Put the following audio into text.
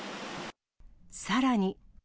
さらに。